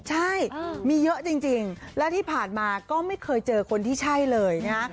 ใช่มีเยอะจริงและที่ผ่านมาก็ไม่เคยเจอคนที่ใช่เลยนะฮะ